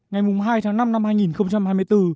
ngày hai tháng năm năm hai nghìn hai mươi bốn